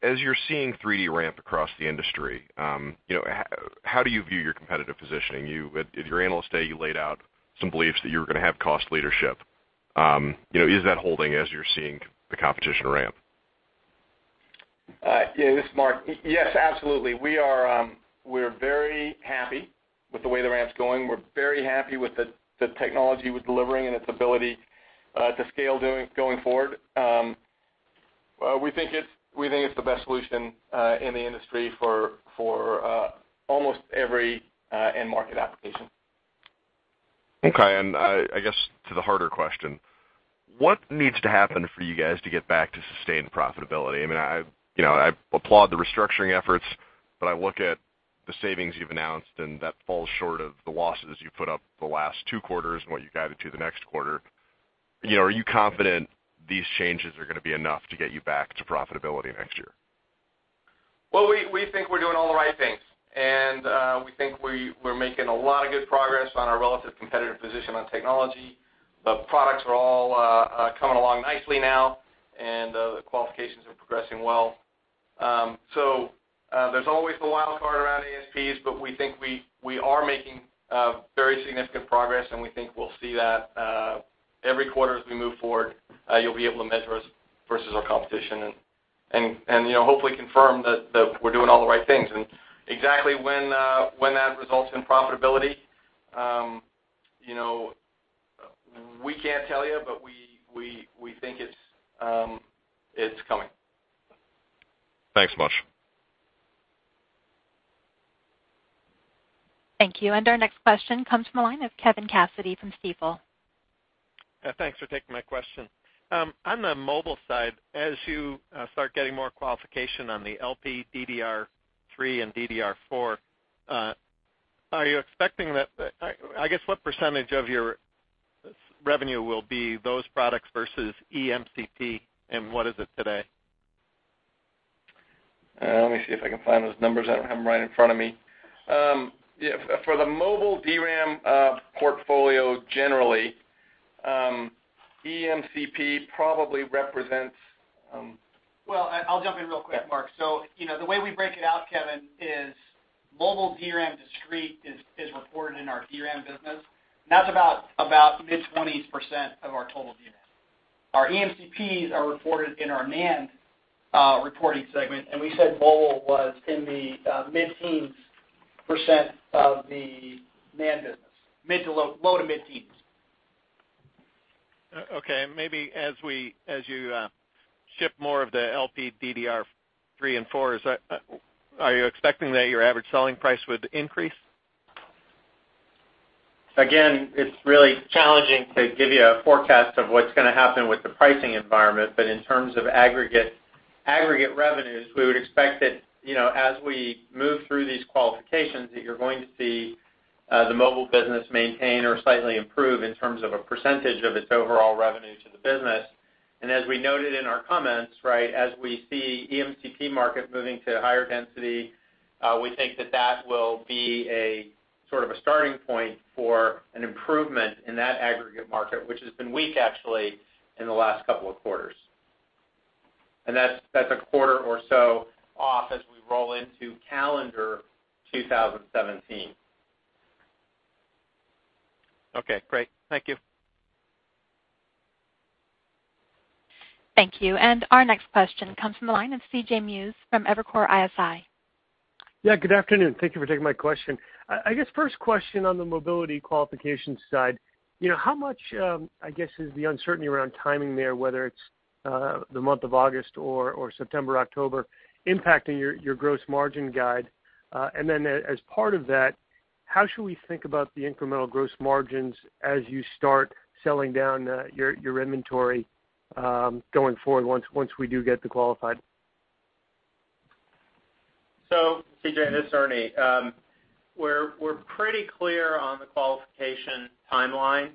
as you're seeing 3D ramp across the industry, how do you view your competitive positioning? At your analyst day, you laid out some beliefs that you were going to have cost leadership. Is that holding as you're seeing the competition ramp? Yeah, this is Mark. Yes, absolutely. We're very happy with the way the ramp's going. We're very happy with the technology we're delivering and its ability to scale going forward. We think it's the best solution in the industry for almost every end market application. Okay. I guess to the harder question, what needs to happen for you guys to get back to sustained profitability? I applaud the restructuring efforts, but I look at the savings you've announced, and that falls short of the losses you put up the last 2 quarters and what you guided to the next quarter. Are you confident these changes are going to be enough to get you back to profitability next year? Well, we think we're doing all the right things, and we think we're making a lot of good progress on our relative competitive position on technology. The products are all coming along nicely now, and the qualifications are progressing well. There's always a wild card around ASPs, but we think we are making very significant progress, and we think we'll see that every quarter as we move forward, you'll be able to measure us versus our competition and hopefully confirm that we're doing all the right things. Exactly when that results in profitability, we can't tell you, but we think it's coming. Thanks much. Thank you. Our next question comes from the line of Kevin Cassidy from Stifel. Yeah, thanks for taking my question. On the mobile side, as you start getting more qualification on the LPDDR3 and LPDDR4, I guess, what % of your revenue will be those products versus eMCP, and what is it today? Let me see if I can find those numbers. I don't have them right in front of me. For the mobile DRAM portfolio, generally, eMCP probably represents. Well, I'll jump in real quick, Mark. The way we break it out, Kevin, is mobile DRAM discrete is reported in our DRAM business. That's about mid-20% of our total DRAM. Our eMCPs are reported in our NAND reporting segment, and we said mobile was in the mid-teens % of the NAND business, low to mid-teens. Okay, maybe as you ship more of the LPDDR3 and 4s, are you expecting that your average selling price would increase? It's really challenging to give you a forecast of what's going to happen with the pricing environment. In terms of aggregate revenues, we would expect that as we move through these qualifications, that you're going to see the mobile business maintain or slightly improve in terms of a percentage of its overall revenue to the business. As we noted in our comments, as we see eMCP market moving to higher density, we think that will be a sort of a starting point for an improvement in that aggregate market, which has been weak, actually, in the last couple of quarters. That's a quarter or so off as we roll into calendar 2017. Okay, great. Thank you. Thank you. Our next question comes from the line of C.J. Muse from Evercore ISI. Good afternoon. Thank you for taking my question. I guess first question on the mobility qualifications side, how much, I guess is the uncertainty around timing there, whether it's the month of August or September, October, impacting your gross margin guide? Then as part of that, how should we think about the incremental gross margins as you start selling down your inventory going forward once we do get the qualified? C.J., this is Ernie. We're pretty clear on the qualification timeline.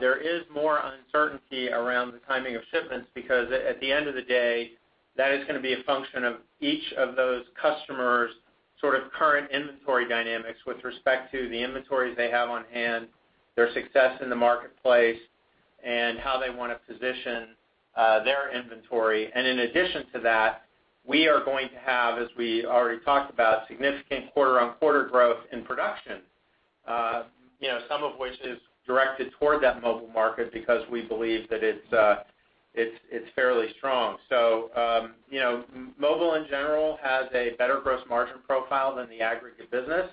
There is more uncertainty around the timing of shipments because at the end of the day, that is going to be a function of each of those customers' sort of current inventory dynamics with respect to the inventories they have on hand, their success in the marketplace, and how they want to position their inventory. In addition to that, we are going to have, as we already talked about, significant quarter-on-quarter growth in production, some of which is directed toward that mobile market because we believe that it's fairly strong. Mobile in general has a better gross margin profile than the aggregate business.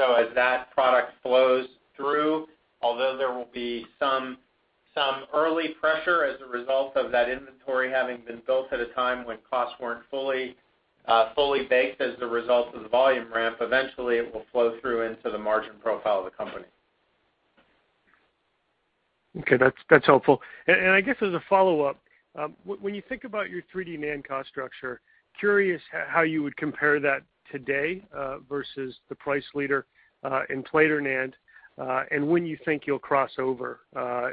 As that product flows through, although there will be some early pressure as a result of that inventory having been built at a time when costs weren't fully baked as the result of the volume ramp, eventually it will flow through into the margin profile of the company. Okay, that's helpful. I guess as a follow-up, when you think about your 3D NAND cost structure, curious how you would compare that today, versus the price leader, in planar NAND, and when you think you'll cross over.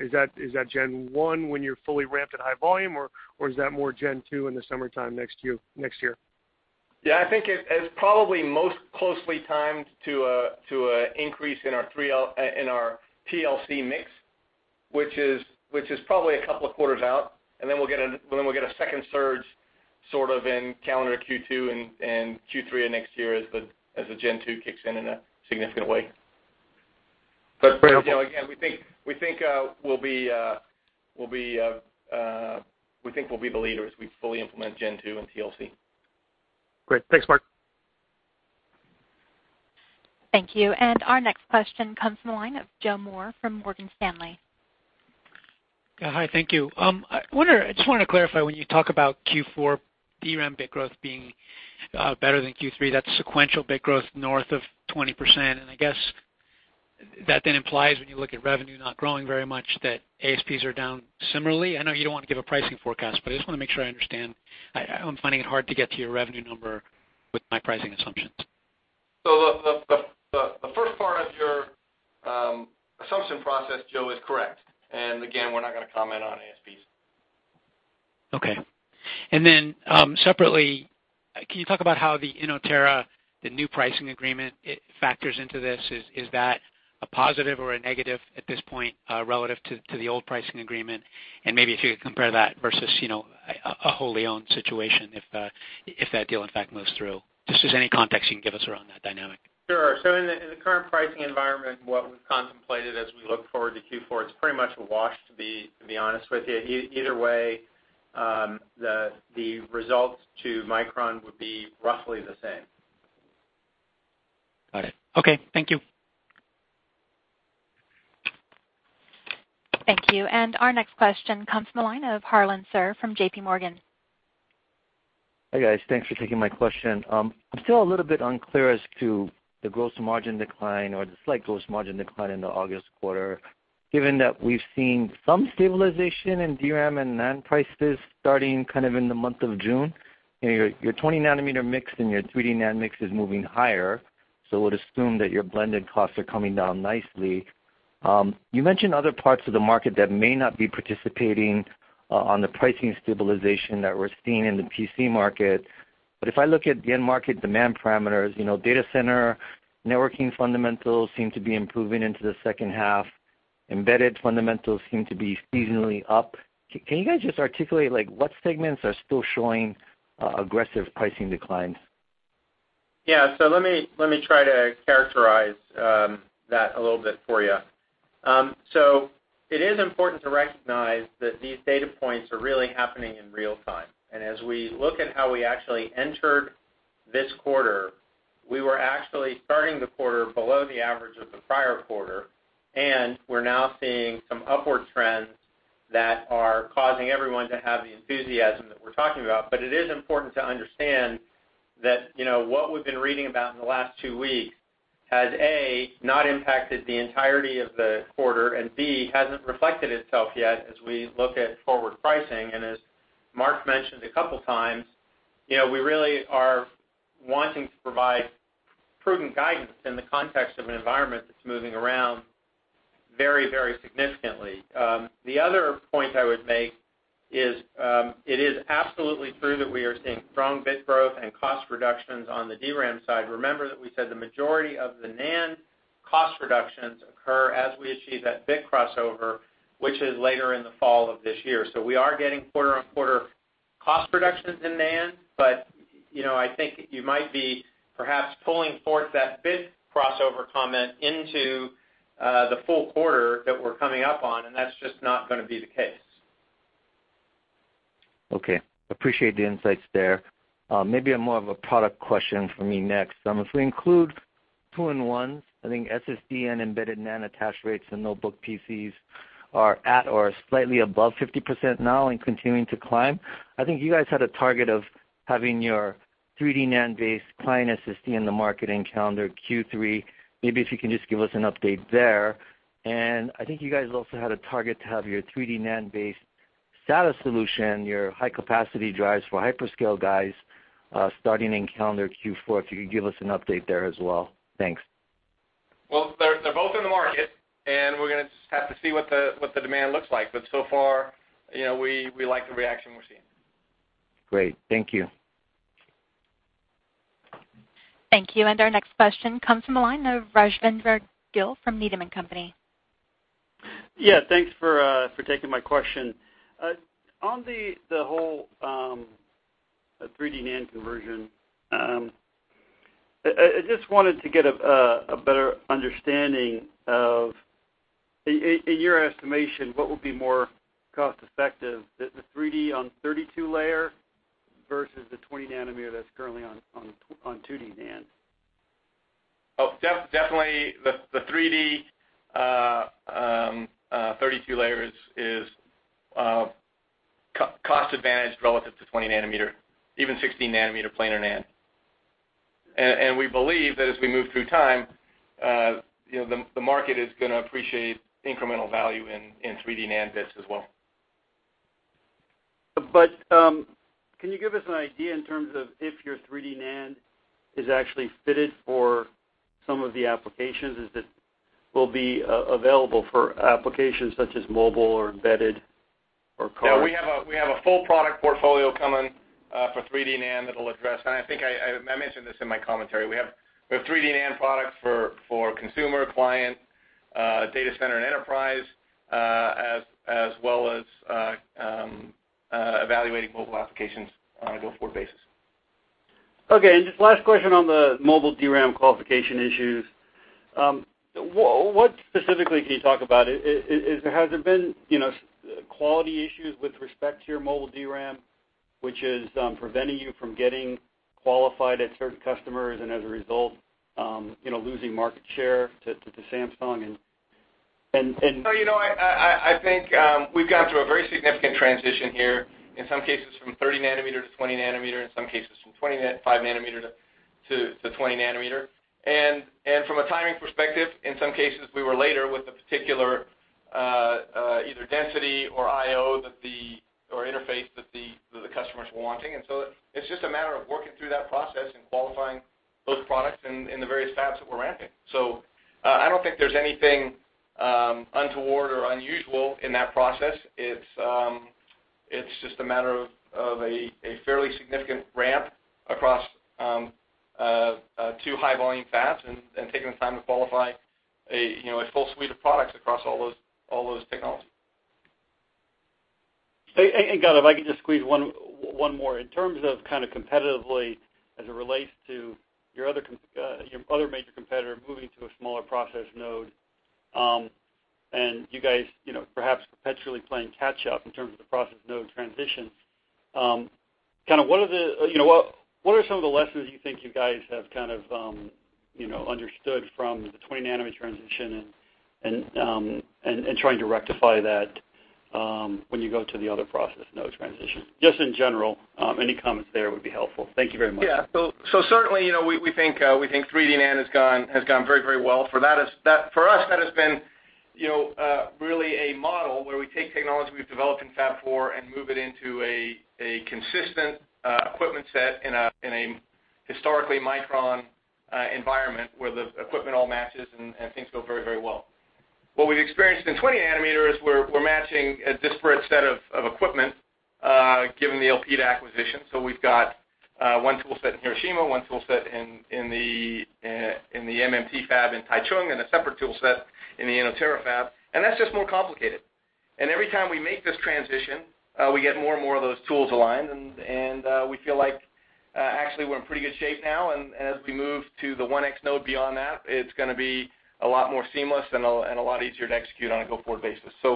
Is that gen 1 when you're fully ramped at high volume, or is that more gen 2 in the summertime next year? I think it is probably most closely timed to an increase in our TLC mix, which is probably a couple of quarters out, and then we'll get a second surge sort of in calendar Q2 and Q3 of next year as the gen 2 kicks in a significant way. Great. Okay. Again, we think we'll be the leaders. We fully implement gen 2 and TLC. Great. Thanks, Mark. Thank you. Our next question comes from the line of Joseph Moore from Morgan Stanley. Yeah. Hi, thank you. I just want to clarify, when you talk about Q4 DRAM bit growth being better than Q3, that's sequential bit growth north of 20%. I guess that then implies when you look at revenue not growing very much, that ASPs are down similarly. I know you don't want to give a pricing forecast, I just want to make sure I understand. I'm finding it hard to get to your revenue number with my pricing assumptions. The first part of your assumption process, Joe, is correct. Again, we're not going to comment on ASPs. Okay. Separately, can you talk about how the Inotera, the new pricing agreement, it factors into this? Is that a positive or a negative at this point, relative to the old pricing agreement? Maybe if you could compare that versus, a wholly owned situation, if that deal, in fact, moves through. Just if there's any context you can give us around that dynamic. Sure. In the current pricing environment, what we've contemplated as we look forward to Q4, it's pretty much a wash to be honest with you. Either way, the results to Micron would be roughly the same. Got it. Okay. Thank you. Thank you. Our next question comes from the line of Harlan Sur from JPMorgan. Hi, guys. Thanks for taking my question. I'm still a little bit unclear as to the gross margin decline or the slight gross margin decline in the August quarter, given that we've seen some stabilization in DRAM and NAND prices starting kind of in the month of June. Your 20 nanometer mix and your 3D NAND mix is moving higher. We'll assume that your blended costs are coming down nicely. You mentioned other parts of the market that may not be participating on the pricing stabilization that we're seeing in the PC market. If I look at the end market demand parameters, data center, networking fundamentals seem to be improving into the second half. Embedded fundamentals seem to be seasonally up. Can you guys just articulate what segments are still showing aggressive pricing declines? Yeah. Let me try to characterize that a little bit for you. It is important to recognize that these data points are really happening in real time. As we look at how we actually entered this quarter, we were actually starting the quarter below the average of the prior quarter, and we're now seeing some upward trends that are causing everyone to have the enthusiasm that we're talking about. It is important to understand that what we've been reading about in the last two weeks has, A, not impacted the entirety of the quarter, and B, hasn't reflected itself yet as we look at forward pricing. As Mark mentioned a couple times, we really are wanting to provide prudent guidance in the context of an environment that's moving around very significantly. The other point I would make is, it is absolutely true that we are seeing strong bit growth and cost reductions on the DRAM side. Remember that we said the majority of the NAND cost reductions occur as we achieve that bit crossover, which is later in the fall of this year. We are getting quarter-on-quarter cost reductions in NAND, but I think you might be perhaps pulling forth that bit crossover comment into the full quarter that we are coming up on, and that is just not going to be the case. Okay. Appreciate the insights there. Maybe more of a product question from me next. If we include 2-in-1s, I think SSD and embedded NAND attach rates and notebook PCs are at or slightly above 50% now and continuing to climb. I think you guys had a target of having your 3D NAND-based client SSD in the marketing calendar Q3. Maybe if you can just give us an update there. I think you guys also had a target to have your 3D NAND-based SATA solution, your high-capacity drives for hyperscale guys, starting in calendar Q4. If you could give us an update there as well. Thanks. Well, they are both in the market, and we are going to just have to see what the demand looks like. So far, we like the reaction we are seeing. Great. Thank you. Thank you. Our next question comes from the line of Rajvindra Gill from Needham & Company. Yeah. Thanks for taking my question. On the whole 3D NAND conversion, I just wanted to get a better understanding of, in your estimation, what would be more cost effective, the 3D on 32 layer versus the 20 nanometer that's currently on 2D NAND? Oh, definitely the 3D, 32 layer is Cost advantage relative to 20 nanometer, even 16 nanometer planar NAND. We believe that as we move through time, the market is going to appreciate incremental value in 3D NAND bits as well. Can you give us an idea in terms of if your 3D NAND is actually fitted for some of the applications, is it will be available for applications such as mobile or embedded or cars? Yeah, we have a full product portfolio coming for 3D NAND that'll address, and I think I mentioned this in my commentary. We have 3D NAND products for consumer client, data center, and enterprise, as well as evaluating mobile applications on a go-forward basis. Okay, just last question on the mobile DRAM qualification issues. What specifically can you talk about? Has there been quality issues with respect to your mobile DRAM, which is preventing you from getting qualified at certain customers and as a result losing market share to Samsung? No, I think we've gone through a very significant transition here, in some cases from 30 nanometer to 20 nanometer, in some cases from 25 nanometer to 20 nanometer. From a timing perspective, in some cases, we were later with a particular either density or IO or interface that the customers were wanting. It's just a matter of working through that process and qualifying those products in the various fabs that we're ramping. I don't think there's anything untoward or unusual in that process. It's just a matter of a fairly significant ramp across two high-volume fabs and taking the time to qualify a full suite of products across all those technologies. Rajvindra, if I could just squeeze one more. In terms of competitively as it relates to your other major competitor moving to a smaller process node, and you guys perhaps perpetually playing catch up in terms of the process node transition. What are some of the lessons you think you guys have understood from the 20-nanometer transition and trying to rectify that when you go to the other process node transition? Just in general, any comments there would be helpful. Thank you very much. Yeah. Certainly, we think 3D NAND has gone very well. For us, that has been really a model where we take technology we've developed in Fab 4 and move it into a consistent equipment set in a historically Micron environment where the equipment all matches, and things go very well. What we've experienced in 20-nanometer is we're matching a disparate set of equipment given the Elpida acquisition. We've got one tool set in Hiroshima, one tool set in the MMT fab in Taichung, and a separate tool set in the Inotera fab, and that's just more complicated. Every time we make this transition, we get more and more of those tools aligned, and we feel like actually we're in pretty good shape now. As we move to the 1X node beyond that, it's going to be a lot more seamless and a lot easier to execute on a go-forward basis. We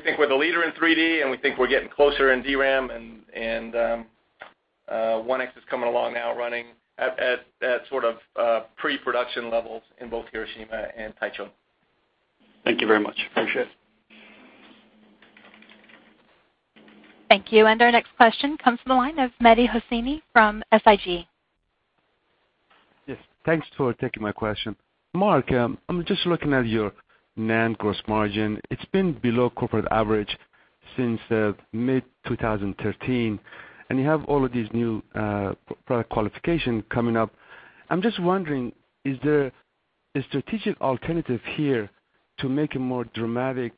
think we're the leader in 3D, and we think we're getting closer in DRAM, and 1X is coming along now running at sort of pre-production levels in both Hiroshima and Taichung. Thank you very much. Appreciate it. Thank you. Our next question comes from the line of Mehdi Hosseini from SIG. Yes, thanks for taking my question. Mark, I'm just looking at your NAND gross margin. It's been below corporate average since mid-2013, and you have all of these new product qualifications coming up. I'm just wondering, is there a strategic alternative here to take a more dramatic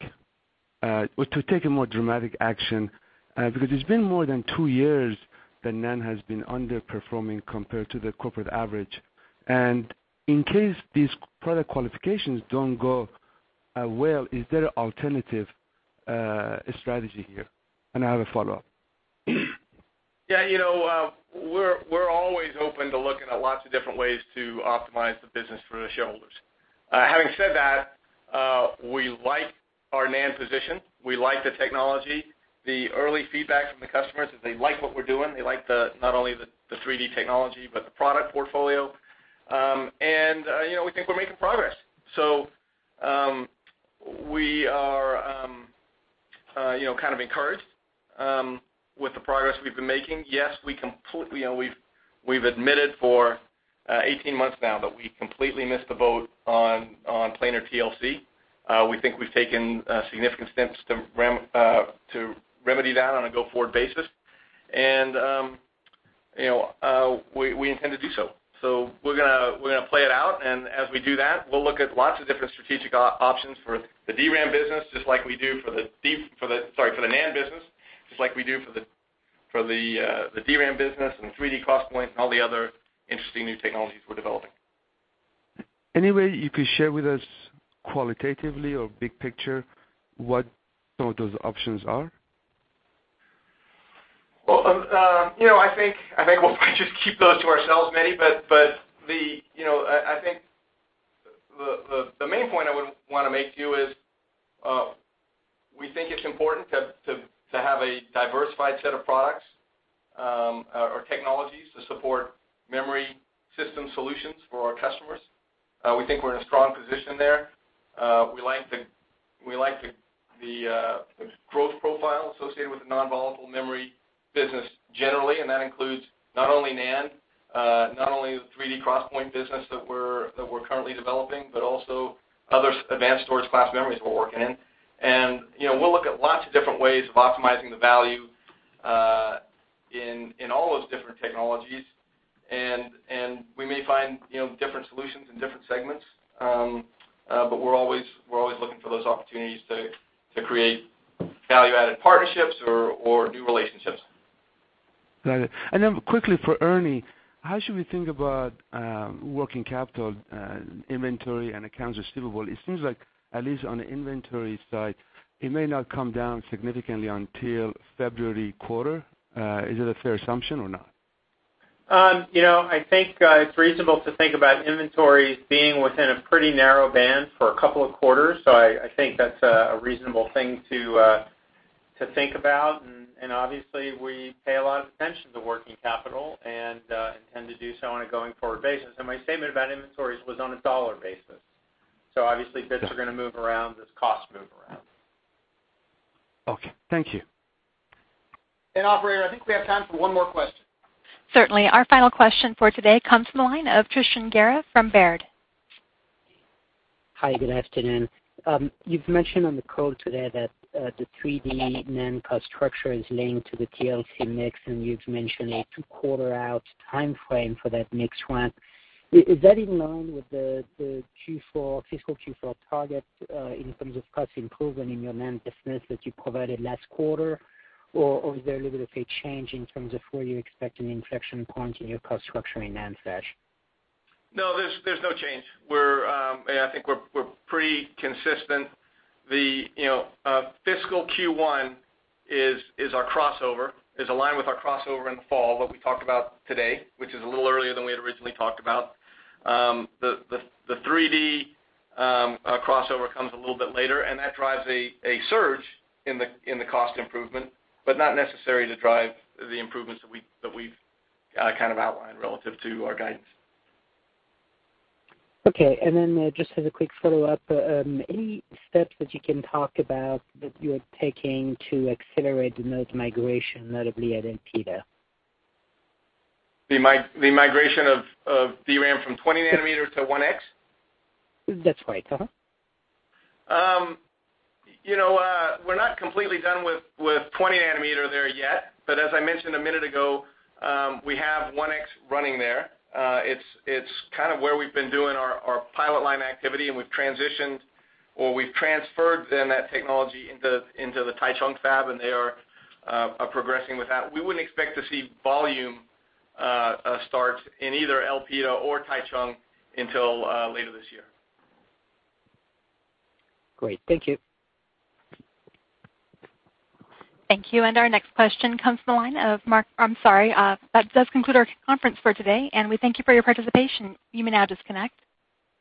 action? It's been more than two years that NAND has been underperforming compared to the corporate average. In case these product qualifications don't go well, is there an alternative strategy here? I have a follow-up. Yeah, we're always open to looking at lots of different ways to optimize the business for the shareholders. Having said that, we like our NAND position. We like the technology. The early feedback from the customers is they like what we're doing. They like not only the 3D technology, but the product portfolio. We think we're making progress. We are kind of encouraged with the progress we've been making. Yes, we've admitted for 18 months now that we completely missed the boat on planar TLC. We think we've taken significant steps to remedy that on a go-forward basis. We intend to do so. We're going to play it out, and as we do that, we'll look at lots of different strategic options for the DRAM business, just like we do for the NAND business, just like we do for the DRAM business and 3D XPoint and all the other interesting new technologies we're developing. Any way you could share with us qualitatively or big picture what some of those options are? Well, I think we'll just keep those to ourselves, Mehdi. I think the main point I would want to make to you is we think it's important to have a diversified set of products or technologies to support memory system solutions for our customers. We think we're in a strong position there. We like the growth profile associated with the non-volatile memory business generally, and that includes not only NAND, not only the 3D XPoint business that we're currently developing, but also other advanced storage class memories we're working in. We'll look at lots of different ways of optimizing the value, in all those different technologies. We may find different solutions in different segments, but we're always looking for those opportunities to create value-added partnerships or new relationships. Got it. Quickly for Ernie, how should we think about working capital, inventory, and accounts receivable? It seems like at least on the inventory side, it may not come down significantly until February quarter. Is it a fair assumption or not? I think it's reasonable to think about inventories being within a pretty narrow band for a couple of quarters, I think that's a reasonable thing to think about. Obviously, we pay a lot of attention to working capital and intend to do so on a going forward basis. My statement about inventories was on a dollar basis. Obviously bits are going to move around as costs move around. Okay. Thank you. Operator, I think we have time for one more question. Certainly. Our final question for today comes from the line of Tristan Gerra from Baird. Hi, good afternoon. You've mentioned on the call today that the 3D NAND cost structure is linked to the TLC mix, and you've mentioned a two-quarter out timeframe for that mix ramp. Is that in line with the fiscal Q4 target, in terms of cost improvement in your NAND business that you provided last quarter, or is there a little bit of a change in terms of where you expect an inflection point in your cost structure in NAND flash? No, there's no change. I think we're pretty consistent. Fiscal Q1 is aligned with our crossover in the fall, what we talked about today, which is a little earlier than we had originally talked about. That drives a surge in the cost improvement, but not necessary to drive the improvements that we've outlined relative to our guidance. Okay, just as a quick follow-up, any steps that you can talk about that you're taking to accelerate the node migration, notably at Elpida? The migration of DRAM from 20 nanometers to 1X? That's right. Mm-hmm. We're not completely done with 20 nanometer there yet, but as I mentioned a minute ago, we have 1X running there. It's kind of where we've been doing our pilot line activity, and we've transitioned, or we've transferred then that technology into the Taichung fab, and they are progressing with that. We wouldn't expect to see volume start in either Elpida or Taichung until later this year. Great. Thank you. Thank you. That does conclude our conference for today, and we thank you for your participation. You may now disconnect.